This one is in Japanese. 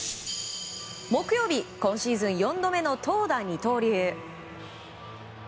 木曜日、今シーズン４度目の投打二刀流。